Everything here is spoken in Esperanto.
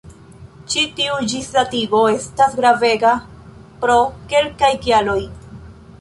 Ĉi tiu ĝisdatigo estas gravega pro kelkaj kialoj.